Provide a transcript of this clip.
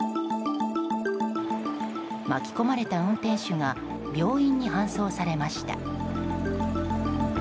巻き込まれた運転手が病院に搬送されました。